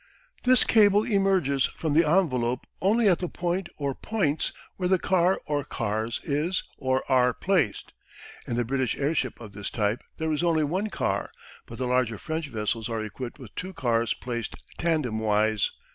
This cable emerges from the envelope only at the point or points where the car or cars is or are placed. In the British airship of this type there is only one car, but the larger French vessels are equipped with two cars placed tandem wise.